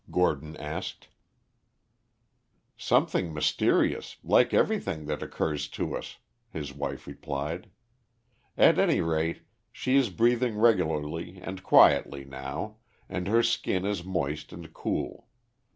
Geoffrey asked. "Something mysterious, like everything that occurs to us," his wife replied. "At any rate, she is breathing regularly and quietly now, and her skin is moist and cool.